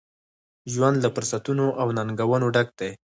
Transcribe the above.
ژوند له فرصتونو ، او ننګونو ډک دی.